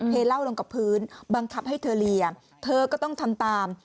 เหล้าลงกับพื้นบังคับให้เธอเลียเธอก็ต้องทำตาม